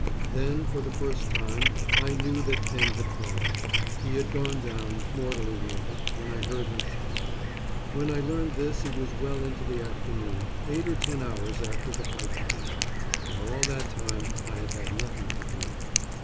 Then, for the first time, I knew that Pymm had fallen. He had gone down, mortally wounded, when I heard him shout. When I learned this it was well on into the afternoon, eight or ten hours after the fight began; and all that time I had had nothing to drink.